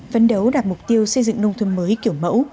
phấn đấu đạt mục tiêu xây dựng nông thôn mới kiểu mẫu